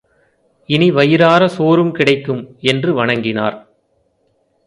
இனி வயிறார சோறும் கிடைக்கும் என்று வணங்கினார்.